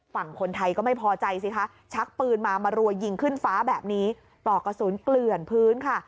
ฝั่งคนไทยก็ไม่พอใจสิคะชักปืนมามารัวยิงขึ้นฟ้าแบบนี้ปลอกกระสุนเกลื่อนพื้นค่ะ